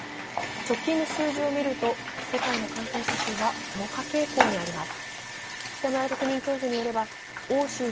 直近の数字を見ると、世界の感染者数は増加傾向にあります。